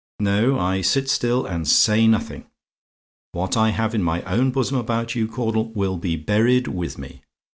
No: I sit still and say nothing; what I have in my own bosom about you, Caudle, will be buried with me.